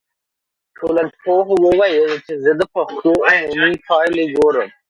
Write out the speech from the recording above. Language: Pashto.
ټولنپوه وویل چي زه د پیښو عمومي پایلي ګورم.